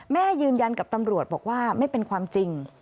แม่ยืนยันกับตำรวจบอกว่าไม่เป็นความจริง